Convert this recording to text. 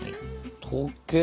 溶け。